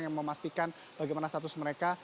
yang memastikan bagaimana status mereka